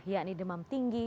yakni demam tinggi